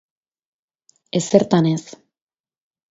Ezertan ez.